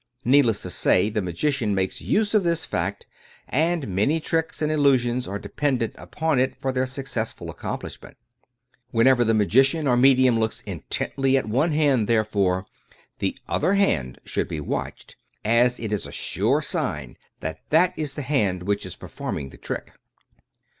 Needless to say, the magician makes use of this fact, and many tricks and illusions are dependent upon it for their successful ac complishment Whenever the magician or medium looks intently at one hand, therefore, the other hand should be watched, as it is a sure sign that that is the hand which is performing the trick.